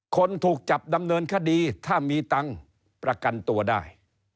คนถูกจับดำเนินคดีถ้ามีตังค์ประกันตัวได้